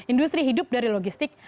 industri hidup dari logistik